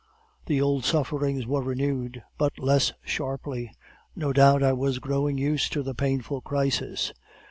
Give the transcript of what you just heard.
The old sufferings were renewed, but less sharply; no doubt I was growing used to the painful crisis.